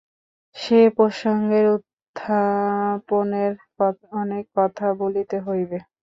সে প্রসঙ্গের উত্থাপনে অনেক কথা বলিতে হইবে।